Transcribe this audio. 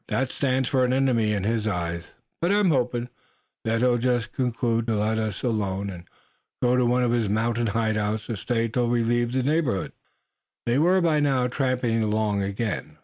That stands for an enemy in his eyes. But I'm hopin' suh, that he'll just conclude to let us alone, and go to one of his mountain hide outs, to stay till we leave the neighborhood." They were by now tramping along again.